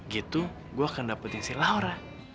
gitu gua akan dapetin si laura